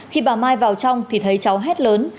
khi bà mai vào trong thì thấy cháu hết lớn